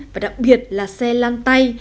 và đặc biệt là xe lan tay